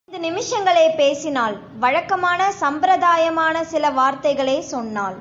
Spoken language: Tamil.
நாலைந்து நிமிஷங்களே பேசினாள் வழக்கமான, சம்பிரதாயமான, சில வார்த்தைகளே சொன்னாள்.